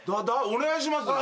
お願いします。